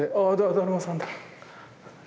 だるまさん。